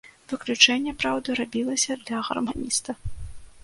Выключэнне, праўда, рабілася для гарманіста.